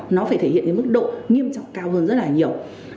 nó phải thể hiện cái mức độ nghiêm trọng cao hơn rất là nhiều